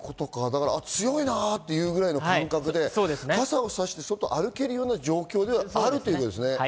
強いなっていうくらいの感覚で傘をさして外を歩けるような状況ではあるということですね。